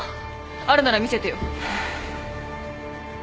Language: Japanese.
あるなら見せてよ。